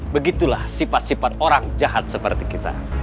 begitulah sifat sifat orang jahat seperti kita